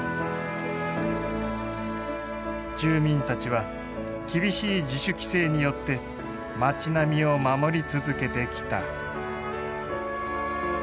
住民たちは厳しい自主規制によって町並みを守り続けてきた。